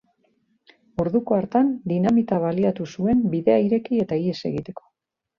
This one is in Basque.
Orduko hartan dinamita baliatu zuen bidea ireki eta ihes egiteko.